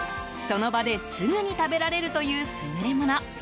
その場ですぐに食べられるという優れもの。